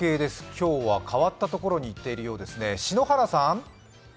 今日は変わった所に行っているようですね。